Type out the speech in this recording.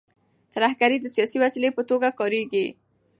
ترهګري د سیاسي وسیلې په توګه کارېږي.